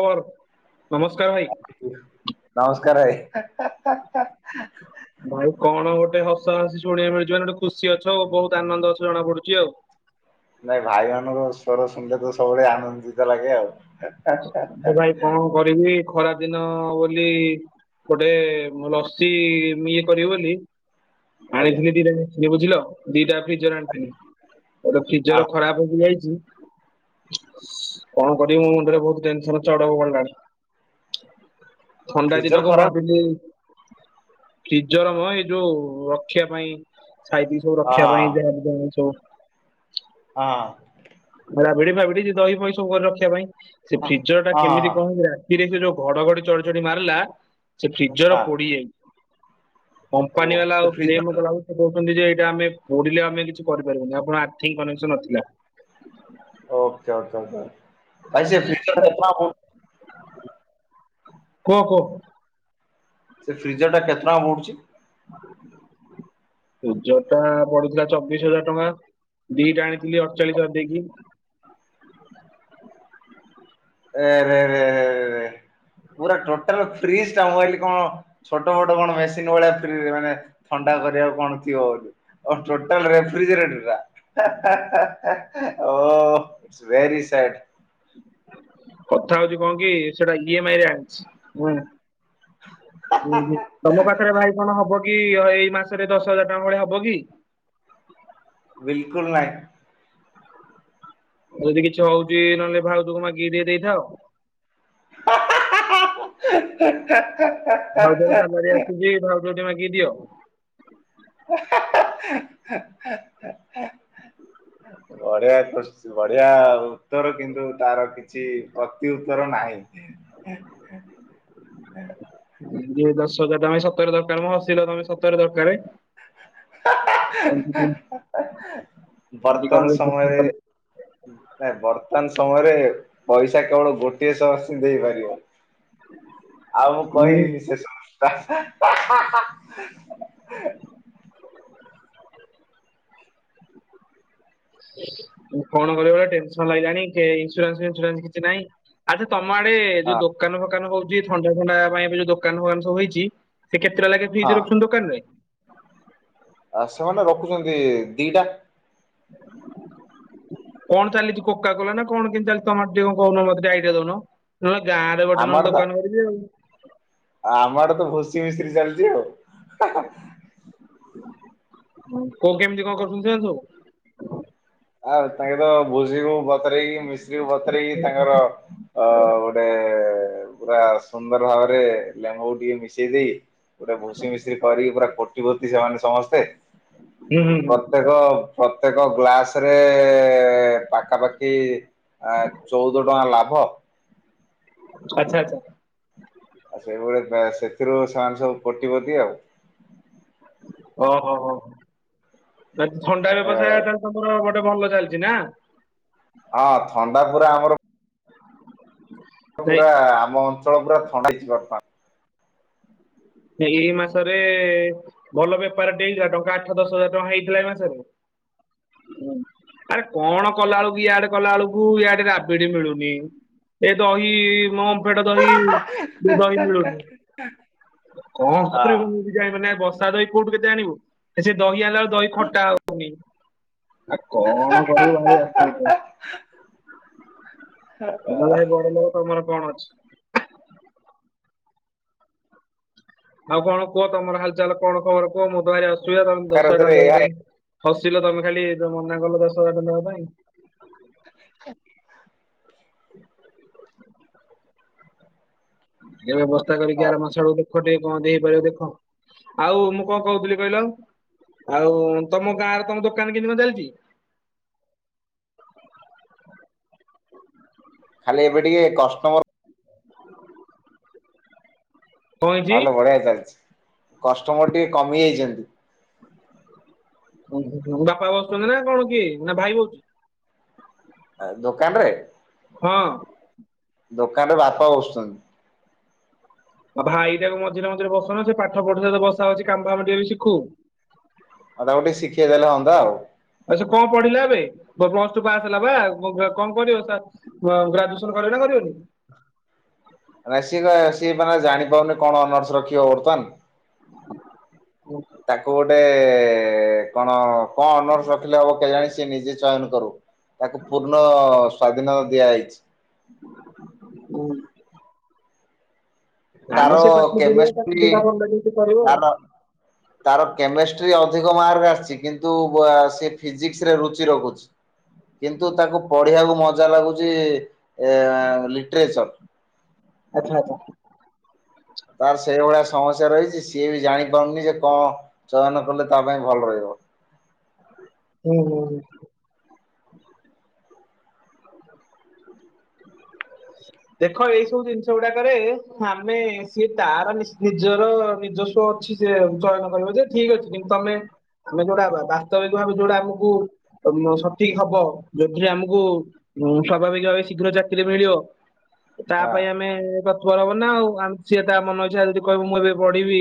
କର ନମସ୍କାର ଭାଇ। ନମସ୍କାର ଭାଇ। [unintelligible] [unintelligible] ଭାଇ କଣ ଗୋଟେ ହସା ହସି ଶୁଣଆକୁ ମିଳୁିଛି ମାନେ ଗୋଟେ ଖୁସି ଅଛ ଆଉ ବହୁତ ଆନନ୍ଦ ଅଛ ଜଣା ପଡୁଛି ଆଉ। ନାଇଁ ଭାଇ ମାନଙ୍କର ସ୍ୱର ଶୁଣିଲେ ତ ସବୁବେଳେ ଆନନ୍ଦିତ ଲାଗେ ଆଉ। ଏ ଭାଇ କଣ କରିବି ଖରା ଦିନ ବୋଲି। ଗୋଟେ ଲସି ଇଏ କରିବି ବୋଲି। ଆଜ୍ଞା ଆଣିଥିଲି ଦିଟା ବୁଝିଲ ଦିଟା। ଫ୍ରିଜର ଆଣିଥିଲି ଗୋଟା ଫ୍ରିଜର ହଁ ଖରାପ ହେଇକି ଯାଇଛି। କଁ କରିବି ମୋ ମୁଣ୍ଡରେ ବହୁତ ଟେନସନ ଚଡ଼କ ପଡିଲାଣି। ଥଣ୍ଡା ଫ୍ରିଜର ଦିନ କ ଖରାପ ଭାବିଲି। ଫ୍ରିଜର ମ ଏଇ ଯୋଉ ରଖିବା ପାଇଁ ସାଇତିକି। ସବୁ ହଁ ରଖିବା ପାଇଁ [unintelligible] ହଁ। ରାବିଡି ଫାବିଡି ଦହି ଫହି ସବୁ ଘରେ ରଖିବା ପାଇଁ ସେ ହଁ ଫ୍ରିଜର ଟା ହଁ କେମିତି କଁ ହେଇଛି ନା। ଇରେ ସେ ଯୋଉ ଘଡଘଡି ଚଢ ଚଢି ମାରିଲା ସେ ଫ୍ରିଜର ହଁ ହଁ ପୋଡିଯାଇଛି। ଓ କମ୍ପାନୀ ବାଲା ସେ ଆଉ କ୍ଲେମ୍ ଫ୍ରିଜର କଲା ବେଳକୁ। କହୁଛନ୍ତି ଯେ ଏଇଟା ଆମେ ପୋଡିଲେ ଆମେ କିଛି କରିପାରିବୁନି ଆପଣ ଆର୍ଥିଂ କନେକ୍ସନ ନଥିଲା। ଓକେ ଓକେ ଓକେ ଓକେ ଆରେ ଓ। କୁହ କହ। ସେ ଫ୍ରିଜର ଟା କେତେ ଟଙ୍କା ପଡୁଛି। ଫ୍ରିଜର ଟା ପଡିଥିଲା ଚବିଶ ହଜାର ଟଙ୍କା। ଦିଟା ଆଣିଥିଲି ଅଡ ଚାଳିଶ ହଜାର ଦେଇକି। ଏରେ ଏରେ‌ ଏରେ ଏରେ‌ରେ ପୁରା ଟୋଟଲ ଫ୍ରିଜ ଟା ମୁଁ ଭାବିଲି କଣ। ଛୋଟ ମୋଟ କଣ ମେସିନ୍ ଭଳିଆ ଫ୍ରିରେ ମାନେ ଥଣ୍ଡା କରିବାକୁ କଣ ଥିବ ବୋଲି। ଓ ଟୋଟଲ ରେଫ୍ରିଜେରେଟର ଟା ହେ ହେ ହେ ହେ ଓ। It's very sad. କଥା ହଉଛି କଁ କି ସେଇଟା ଇ ଏମ ଆଇ ରେ ଆଣିଛି ହୁଁ। ଉଁ ହୁଁ ତମ ବିଲକୁଲ ପାଖରେ ଭାଇ କଣ ହବ କି ଏଇ ମାସରେ ଦଶ ହଜାର ଟଙ୍କା ଭଳିଆ ହବ କି। ବିଲକୁଲ ନାହିଁ। ଯଦି କିଛି ହଉଛି ନହେଲେ ଭାଉଜ କୁ ମାଗିକି ଟିକେ ଦେଇଥାଅ। [unintelligible] ଭାଉଜଙ୍କ ସାଲାରି ଆସୁଛି ଭାଉଜ କୁ ଟିକେ ମାଗିକି ଦିଅ। [unintelligible] ବଢିଆ କୋଶଚି ବଢିଆ ଉତ୍ତର କିନ୍ତୁ ତାର କିଛି ପ୍ରତି ଉତ୍ତର ନାହିଁ। [unintelligible] ଦିଅ ଦଶ ହଜାର ଟଙ୍କା ଭାଇ ସତରେ ଦରକାର ମ ହସିଲ ତମେ ସତରେ ଦରକାରେ। [unintelligible] ହ ନାଇ ବର୍ତ୍ତମାନ ସମୟରେ ପଇସା କେବଳ ଗୋଟିଏ ଶୋର୍ସ ହିଁ ଦେଇପାରିବ। ଆଉ ମୁଁ କହିବିନି ସେ ସୋର୍ସ ଟା। [unintelligible] ମୁଁ ଫୋନ କରିବା ବେଳେ ଟେନସନ ଲାଗିଲାଣି କେଇ ଇନ୍ସୁରାନ୍ସ ଫନନ୍ସୁରାନ୍ସ କିଛି ନାହିଁ। ଆଚ୍ଛା ତମ ଆଡେ ହଁ। ଯୋଉ ଦୋକାନ ଫୋକାନ ହଉକି ଥଣ୍ଡା ଥଣ୍ଡା ପାଇଁ ଏ ଯୋଉ ଦୋକାନ ଫୋକାନ ସବୁ ହେଇଛି। ସେ କେତେଟା ଲାଗେ ହଁ ଫ୍ରିଜ ରଖୁଛନ୍ତି ଦୋକାନରେ। ଆ ସେମାନେ ରଖୁଛନ୍ତି ଦିଟା। । କଣ ଚାଲିଛି କୋକ କଲା ନା କଣ କେତି ଚାଲିଛି ତମର ଟିକେ କହୁନ ମତେ ଟିକେ ଆଇଡିଆ ଦଉନ। ନହେଲେ ଗାଁରେ ଗୋଟେ ଆମ ନେଲେ ଆଡେ ତ ଦୋକାନ କରିବି ଆଉ। ଆମ ଆଡେ ତ ଭୋସି ମିସ୍ତ୍ରୀ ଚାଲିଛି ଆଉ। କୋଉ କେମିତି କଣ କରୁଛନ୍ତି ସେନ୍ତୁ। ଆଉ ତାଙ୍କର ଭୋଜି କୁ ବତରଇକି ମିଶ୍ରୀକୁ ବତରଇକି ତାଙ୍କର। ଅ ଗୋଟେ ପୁରା ସୁନ୍ଦର ଭାବରେ ଲେମ୍ବୁ ଟିକେ ମିଶେଇ ଦେଇ। ପୁରା ଭୁସି ମିଶ କରିକି ପୁରା କୋଟିପତି ସେମାନେ ସମସ୍ତେ। ହୁଁ ହୁଁ ହୁଁ ପ୍ରତ୍ୟେକ ପ୍ରତ୍ୟେକ ଗ୍ଲାସ। ରେ ପାଖାପାଖି ଚଉଦ ଟଙ୍କା ଲାଭ। ଆଚ୍ଛା, ଆଚ୍ଛା। ଆଉ ସେଇଭଳି ସେଥିରୁ ସେମାନେ ସବୁ କୋଟିିପତି ଆଉ। ଓହୋ ହୋ ଏ ଥଣ୍ଡା ଏ ବ୍ୟବସାୟ ତ ଟା ତମର ଗୋଟେ ଭଲ ଚାଲିଛି ନା। ହଁ ଥଣ୍ଡା ପୁରା ଆମର। ହଁ [unintelligible] [inaudible] ପୁରା ଆମ ଅଞ୍ଚଳ ପୁରା ଥଣ୍ଡାଇଛି ବର୍ତ୍ତମାନ। ଏଇ ମାସରେ। ଭଲ ବେପାର ଟେ ହେଇଥିଲା ଟଙ୍କା ଆଠ ଦଶ ହଜାର ଟଙ୍କା ହେଇଥିଲା ଏ ମାସରେ। ଆରେ କଣ କଲା ବେଳକୁ ଇଆଡେ କଲା ବେଳକୁ ଇଆଡେ ରାବିଡି ମିଳୁନି। ଏ ଦହି ଓମଫେଡ ଦହି ଦହି ମିଳୁନି। ହ [inaudible] କଣ କରିବୁ? ମୁଁ ବି ଜାଣିବି ନା ବସା ଦହି କୋଉଠୁ କେତେ ଆଣିବୁ ସେ ଦହି ଆଣିଲା ବେଳେ ଦହି ଖଟା ହଉ। ଆ କଣ କରିବ ଭ [unintelligible] ତମର ଭ ଏହା ବଡ ଲୋକ ତମର କଣ ଅଛି। [unintelligible] ଆଉ କଣ କୁହ ତମର ହାଲଚାଲ କଣ ଖବର କୁହ ମୋର ତ ଭାରି ଅସୁବିଧା ତମେ ଦଶ ହଜାର ଟଙ୍କା ଦେବା ପାଇଁ। ହସିଲ ତମେ ଖାଲି ତ ମନା କଲ ଦଶ ହଜାର ଟଙ୍କା ନବା ପାଇଁ। [inaudible] ଏବେ ବ୍ୟବସ୍ଥା କରିକି ଆର ମାସ ଆଡ଼କୁ ଦେବେ। [unintelligible] ଦୁଖ ଟିକେ କଣ ଦେଇ ହେଇପାରିବ ଦେଖ ଆଉ ମୁଁ କଣ କହୁଥିଲି କହିଲ। [unintelligible] ଆଉ ତମ ଗାଁ ରେ ତମ ଦୋକାନ କେମିତି କଣ ଚାଲିଛି। ଖାଲି ଏବେ ଟିକେ କଷ୍ଟମର। କଣ ହେଇଛି ନହେଲେ ବଢିଆ ଚାଲିଛି। କଷ୍ଟମର ଟିକେ କମିଯାଇଛନ୍ତି। ବାପା ବସୁଛନ୍ତି ନା କଣ କି ନା ଭାଇ ବସୁଛି। ଦୋକାନରେ। ହଁ। ଦୋକାନରେ ବାପା ବସୁଛନ୍ତି। ଆଉ ଭାଇଟାକୁ ମଝିରେ ମଝିରେ ବସଉନ ସେ ପାଠ ପଢୁ ଯେ ବସାବସି କାମ ଫାମ ଟିକେ ଶିଖୁ। [unintelligible] ଆଉ ତାକୁ ଟିକେ ଶିଖେଇଦେଲେ ହଅନ୍ତା ଆଉ। [unintelligible] ଆଛା କଣ ପଢିଲା ଏବେ ପ୍ଲସ ଟୁ ପାସ ହେଲା ବା କଣ କରିବ? ଗ୍ରାଜୁଏସନ କରିବେ ନା କରିବେନି। ନାଇଁ ସିଏ କ ସିଏ ମାନେ ଜାଣିପାରୁନି କଣ ଅନର୍ସ ରଖିବ ବର୍ତ୍ତମାନ। ହ [unintelligible] ତାକୁ ଗୋଟେ କଣ କ‌ଣ ଅନର୍ସ ରଖିଲେ ହବ କେଜାଣି ସିଏ ନିଜେ ଚୟନ କରୁ। ତାକୁ ପୂର୍ଣ୍ଣ ସ୍ଵାଧୀନ ଦିଆଯାଇଛି। ହୁଁ ନାଁ ତାର ମ ସେ [unintelligible] କେମିଷ୍ଟ୍ରି ସେ କରିବ ଆଉ। ତାର ତାର କେମେଷ୍ଟ୍ରି ଅଧିକ ମାର୍କ ଆସିଚି କିନ୍ତୁ ସେ ଫିଜିକ୍ସିରେ ରୁଚି ରଖୁଛି। କିନ୍ତୁ ତାକୁ ପଢ଼ିବାକୁ ମଜା ଲାଗୁଛି ଲିଟ୍ରେଚନ୍। ଆଚ୍ଛା ଆଛା ତାର ସେଇଭଳିଆ ସମସ୍ୟା ରହିଛି। ସିଏ ବି ଜାଣିପାରୁନି ଯେ କଣ ଚୟନ କଲେ ତା ପାଇଁ ଭଲ ରହିବ। ହୁଁ ହୁଁ ହୁଁ [unintelligible] ଦେଖ ଏଇ ସବୁ ଜିନିଷ ଗୁଡାକରେ ଆମେ ସିଏ ତାର ନି ନିଜର ନିଜସ୍ୱ ଅଛି‌। ସେ ଚୟନ କରିବ ଯେ ଠିକ୍ ଅଛି କିନ୍ତୁ ତମେ ଯେ ଆମେ ଯୋଉଟା ବା ବାସ୍ତବିକ ଭାବେ ଯୋଉଟା ଆମକୁ ସଠିକ୍ ହବ ଯୋଉଥିରେ ଆମକୁ‌ ହୁଁ ସ୍ୱାଭାବିକ ଭାବେ ଶୀଘ୍ର ଚାକିରି ମିଳିବ ତା ହଁ ପାଇଁ ଆମେ ଆମେ ତତ୍ପର ହବନା ଆଉ ଆ ସିଏ ତା ମନ ଇଚ୍ଛା ଯଦି କହିବ ମୁଁ ଏବେ ପଢିବି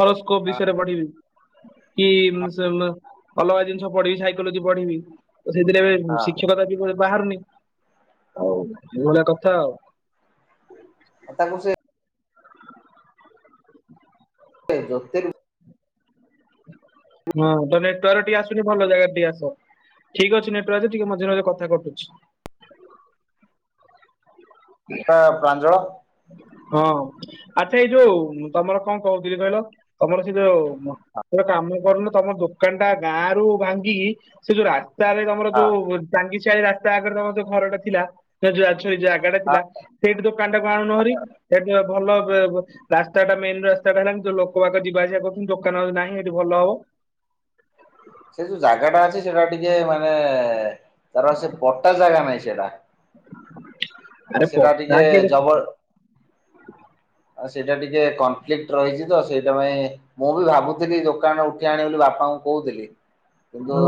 ହରସ୍କୋପ ବିଷୟରେ ପଢ଼ିବି କି ସେମ ଅଲଗା ଜିନିଷ ପଢିବି ସାଇକୋଲୋଜି ପଢିବି ତ ସେଥିରେ ବେ ହଁ ଶିକ୍ଷକତା ବି ପୁଣି ବାହାରୁନି ଆଉ ଏଭଳିଆ କଥା ଆଉ। ଆଉ ତାଙ୍କୁ ସେ ଏ ଯୋତିରୁ ହଁ ତ ନେଟୱାର୍କ ଟିକେ ଆସୁନି ଭଲ ଜାଗାରେ ଟିକେ ଆସ। ଠିକ୍ ଅଛି ନେଟୱାର୍କ ଯେ ଟିକେ ମଝିରେ ମଝିରେ କଥା କଟୁଛି। [unintelligible] ତାର ପ୍ରାଞ୍ଜଳ ତା ହଁ ଆଚ୍ଛା ଏଇ ଯୋଉ ତମର କଣ କହୁଥିଲି କହିଲ ତମର ସେ ଯୋଉ ଗୋଟେ କାମ କରୁନୁ ତମ ଦୋକାନ ଟା ଗାଁ ରୁ ଭାଙ୍ଗିକି ସେ ଯୋଉ ରା ରାସ୍ତାରେ ତମର ହଁ ଯୋଉ ଟାଙ୍ଗିଚିଆ ରାସ୍ତା ଆଗରେ ତମର ଯୋଉ ଘରଟା ଥିଲା। [unintelligible] ଜାଗାଟା ହଁ ଥିଲା ସେଇଠି ଦୋକାନ ଟାକୁ ଆଣୁନ ହରି ଏଠି ଭଲ ବେ ରାସ୍ତା ଟା ମେନ୍ ରାସ୍ତାଟା ହେଲାଣି ଯୋ ଲୋକ ବାକ ଯିବାଆସିବା କରୁଛନ୍ତି ଦୋକାନ ନାହିଁ ସେଠି ଭଲ ହବ। ସେ ଯୋଉ ଜାଗାଟା ଅଛି ସେଟା ଟିକେ ମାନେ ତାର ସେ ପଟା ଜାଗା ନାହିଁ ସେଢା। ଆରେ ମାନେ ସେଟା ପଟା ଟିକେ କିଏ ଦେଖୁଛି ଜବର [unintelligible] ଆଉ ସେଇଟା ଟିକେ କନଫ୍ଲିଟ ରହିଛି ତ ସେଇଥା ପାଇଁ ମୁଁ ବି ଭାବୁଥିଲି ଦୋକାନ ଉଠେଇ ଆଣିବି ବୋଲି ବାପାଙ୍କୁ କହୁଥିଲି। କିନ୍ତୁ ହଁ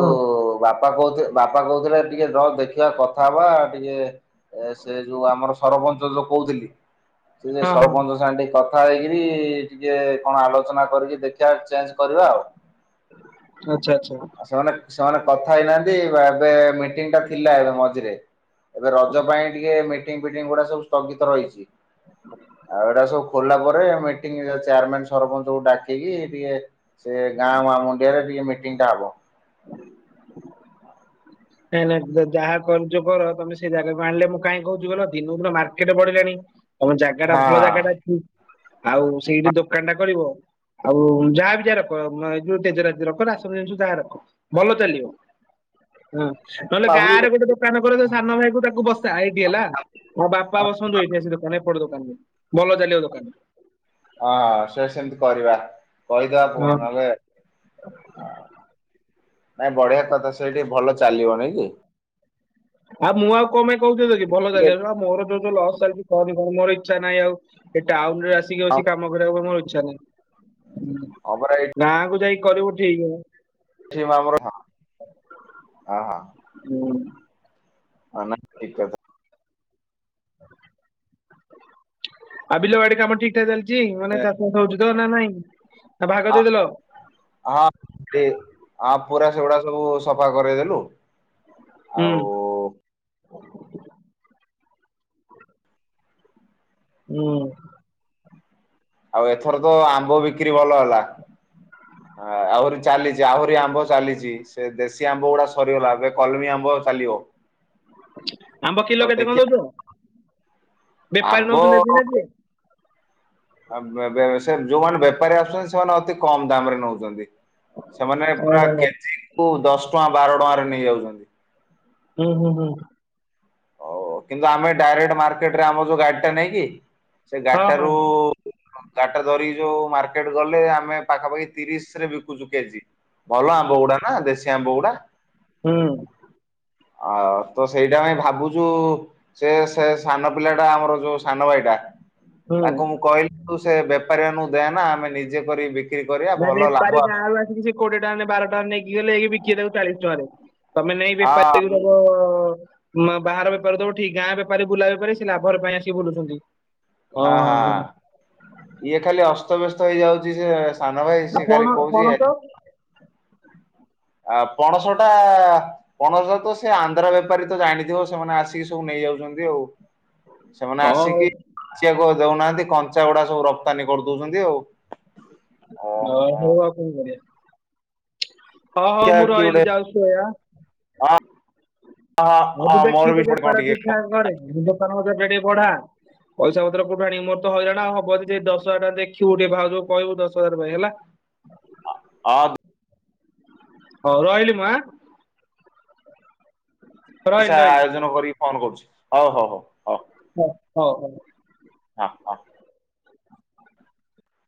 ବାପା କହୁଥିଲେ ବାପା କହୁଥିଲେ ଟିକେ ରହ ଦେଖିବା କଥା ହବା ଟିକେ ଏ ସେ ଯୋଉ ଆମର ସରପଞ୍ଚ ଯୋଉ କହୁଥିଲି ସେ ହଁ ହଁ ସରପଞ୍ଚ ସାଙ୍ଗେ ଟିକେ କଥା କଥା ହେଇକିରି ଟିକେ କଣ ଆଲୋଚନା କରିକି ଦେଖିବା ଚେଞ୍ଜ କରିବା ଆଉ। ଆଚ୍ଛା ଆଚ୍ଛା। ସେମାନେ ସେମାନେ କଥା ହେଇନାହାନ୍ତି ଏବେ ମିଟିଂ ଟା ଥିଲା ଏବେ ମଝିରେ ଏବେ ରଜ ପାଇଁ ଟିକେ ମିଟିଂ ଫିଟିଂ ଗୁଡା ସବୁ ସ୍ଥଗିତ ରହିଛି। ଆଉ ଏଢା ସବୁ ଖୋଲିଲା ପରେ ମିଟିଂରେ ଚେୟାରମ୍ୟାନ୍ ସରପଞ୍ଚଙ୍କୁ ଡାକିକି ଟିକେ ସେ ଗାଁ ମାଁ ମନ୍ଦିର ରେ ଟିକେ ମିଟିଂ ଟା ହବ। ନାଇଁ ନାଇଁ ଯାହା କରୁଚ କର ତମେ ସେ ଜାଗାକୁ ଆଣିଲେ ମୁଁ କାଇଁ କହୁଚି କଇଲ ଦିନକୁ ଦିନ ମାର୍କେଟ ବଢିଲାଣି। ଆମ ଜାଗା ଟା ଭଲ ଜାଗାଟା ଅଛି ଆଉ ସେଇଠି ଦୋକାନ ଟା କରିବ। ଆଉ ଯାହାବି ଯାହା ରଖ ଏ ଯୋଉ ତେଜରାତି ରଖ ରାସନ ଜିନିଷ ଯାହା ରଖ ଭଲ ଚାଲିବ। ହଁ ନହେଲେ ହଁ। ଗାଁରେ ଗୋଟେ ଦୋକାନ କର ତୋ ସାନ ଭାଇକୁ ତାକୁ ବସା ଏଇଠି ହେଲା। ମୋ ବାପା ବସନ୍ତୁ ଏଇଠି ଆସେ ଦୋକାନ ଏପଟେ ଦୋକାନରେ ଭଲ ଚାଲିବ ଦୋକାନ। ହଁ ସେ ସେମିତି କରିବା କହିଦବା ହଁ ପୁଣି ନହଲେ। ନାଇଁ ବଢିଆ କଥା ସେଇଠି ଭଲ ଚାଲିବ ନାଇଁ କି? ଆଉ ମୁଁ ଆଉ କ ପାଇଁ କହୁଛିି ଦେଦି ଭଲ ଚାଲି ମୋର ଯୋଉ ଯୋଉ ଲସ୍ ଚାଲିଛି। କନି କନି ମୋର ଇଚ୍ଛା ନାହିଁ ଆଉ ଏ ଟାଉନ ରେ ଆସିକି ଅଛି କାମ କୁ ମୋର ଇଛା ନାହିଁଁ। ହଁ ପରା ଏଇ ଗାଁକୁ ଯାଇକି କରିବୁ ଠିକ। ଠିମର ହ ହଁ। ହୁଁ। [unintelligible] ଆ ବିଲ ବାଡି କାମ ଠିକ ଠାକ ଚାଲିଛି ମାନେ ଚାଷବାସ ହଉଛି ତ ନା ନାଇଁ ଭାଗ ଦେଇଦେଲ? ହଁଁ ପୁରା ସେଗୁଡା ସବୁ ସଫା କରଇ ଦେଲୁ। ହୁଁ ଆଉ ହୁଁ। ଆଉ ଏଥର ତ ଆମ୍ବ ବିକ୍ରି ଭଲ ହେଲା। ଆ ଆହୁରି ଚାଲିଛି ଆହୁରି ଆମ୍ବ ଚାଲିଛି ସେ ଦେଶୀ ଆମ୍ବ ଗୁଡା ସରିଗଲା ଏବେ କଲମୀ ଆମ୍ବ ଚାଲିବ। ଆମ୍ବ କିଲ ତ କେତେ କଣ ଦେଖିବା ଦଉଛ? ବେପାରୀ ଆମ୍ବ ନଉଛନ୍ତି [unintelligible] ଟଏ ଯୋଉମାନେ ବେପାରୀ ଆସୁଛନ୍ତି ସେମାନେ ଅତି କମ ଦାମ ରେ ନୋଉଛନ୍ତି। ସେମାନେ ପୁରା ଓହୋ କେଜି କୁ ଦଶ ଟଙ୍କା, ବାର ଟଙ୍କାରେ ନେଇଯାଉଛନ୍ତି। ହୁଁ, ହୁଁ, ହୁଁ। ହଉ ହଉ କିନ୍ତୁ ଆମେ ଡାଇରେକ୍ଟ ମାର୍କେଟରେ ଆମର ଯୋଉ ଗାଡି ଟା ନେଇକି ସେ ହଁ ହଁ ଗାଡିଟାରୁ ଗାଡି ଟା ଧରିକି ଯୋଉ ମାର୍କେଟ ଗଲେ ଆମେ ପାଖାପାଖି ତିରିଶ ରେ ବିକୁଛୁ କେଜି। ଭଲ ଆମ୍ବ ଗୁଡା ନା ଦେଶୀ ଆମ୍ବ ଗୁଡା, ହୁଁ। ଆଉ ତ ସେଇଟା ପାଇଁ ଭାବୁଛୁ ଯୋଉ ସେ ସେ ସାନ ପିଲା ଟା ଆମର ଯୋଉ ସାନ ଭାଇଟା ହୁଁ। ତାକୁ ମୁଁ କହିଲି ତୁ ସେ ବେପାରୀ ମାନଙ୍କୁ ଦେଆ ନା ଆମେ ନିଜେ କରି ବିକ୍ରି କରିବା ନା ଭଲ ବେପାରୀ ଲାଭ ଆ ଗାଁରୁ ସେ କୋଡିଏ ଟଙ୍କାରେ ବାର ଟଙ୍କାରେ ନେଇିକି ଗଲେ ବିକିବେ ତାକୁ ଚାଳିଶ ଟଙ୍କାରେ। ତମେ ନେଇ ହଁ ବେପାରୀକୁ ମୁଁ ଦବ ବାହାର ବେପାରୀ କୁ ଦବ ଠିକି ଗାଁ ବେପାରୀ‌ ବୁଲା ବେପାରୀ ସେ ଲାଭ ରେ ପାଇଁ ଆସି ବୁଲୁଛନ୍ତି। ହଁ, ଓହୋ ହଁ ଇଏ ଖାଲି ଅସ୍ତବ୍ୟସ୍ତ ହେଇଯାଉଛି ସେ, ସାନ ଭାଇ ଆଉ ସେ ପଣ ଖାଲି କହୁଛି ପଣସ? ଆ ପଣସ ଟା! ପଣସ ତ ସେ ଆନ୍ଧ୍ରା ବେପାରୀ ତ ଜାଣିଥିବ ସେମାନେ ଆସିକି ସବୁ ନେଇଯାଉଛନ୍ତି ଆଉ, ସେମାନେ ହଁ ହଉ ଆସିକିି ପାଚିଆକୁ ଆଉ ଦଉନାହାନ୍ତି କଞ୍ଚା ଗୁଡା ସବୁ ରପ୍ତାନୀ କରିଦଉଛନ୍ତି ଆଉ, ହଁ ଓହୋ ହଉ ଆଉ କଣ କରିଆ? ହଁ ହଁ ହଉ ଦେଖିଆ ମୁଁ କିଏ ରହିଲି ଗୋଟେ ଯାଉଛି ସୋଇଆ। ହଁ ହଁ ଆ ହଁ ମୋର ଦେଖି ବି ତ ସେପଟେ କଣ ବେପାର ଟିକେ ଠିକ ଠାକ କରେ ଦୋକାନ ବଜାର ଟା ଟିକେ ବଢା। ପଇସା ପତ୍ର କୋଉଠୁ ଆଣିବି ମୋର ତ ହଇରାଣ ଆଉ ହବ ଯଦି ଦଶ ହଜାର ଟଙ୍କା ଦେଖିବୁ ଟିକେ ଭାଉଜ ଙ୍କୁ କହିବୁ ଦଶ ହଜାର ପାଇଁ ହେଲା, ଆ ବ୍ [unintelligible] ହଉ ରହିଲି ମା। ରହିଲି ପଇସା ରହିଲି ଆୟୋଜନ କରିକି ଫୋନ କରୁଛି ହଉ, ହଉ ହଉ। ହଉ, ହଉ, ହଉ। ହଁ, ହଁ।